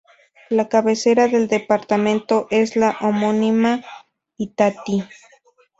La cabecera del departamento es la homónima Itatí.